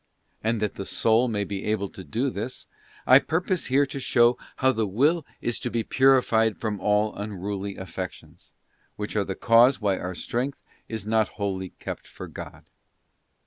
And that the soul may be able to do this, I purpose here to show how the Will is to ———— be purified from all unruly affections; which are the cause why our strength is not wholly kept for God.